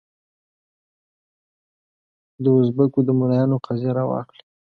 دوزبکو د ملایانو قضیه راواخلې.